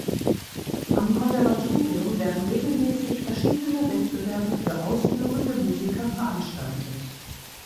Am Konservatorium werden regelmäßig verschiedene Wettbewerbe für ausführende Musiker veranstaltet.